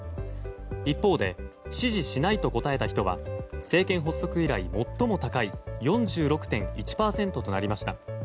一方で支持しないと答えた人は政権発足以来最も高い４６．１％となりました。